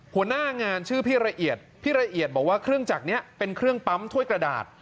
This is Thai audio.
หัวหน้างานชื่อพี่ละเอียดพี่ละเอียดบอกว่าเครื่องจักรนี้เป็นเครื่องปั๊มถ้วยกระดาษ